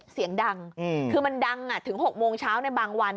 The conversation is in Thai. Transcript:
เสียงดังคือมันดังถึง๖โมงเช้าในบางวัน